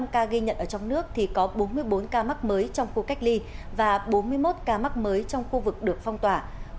năm ca ghi nhận ở trong nước thì có bốn mươi bốn ca mắc mới trong khu cách ly và bốn mươi một ca mắc mới trong khu vực được phong tỏa